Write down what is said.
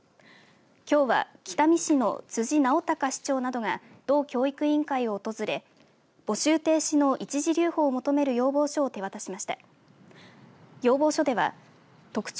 きょうは北見市の辻直孝市長などが道教育委員会を訪れ募集停止の一時留保を求める要望書を手渡しました。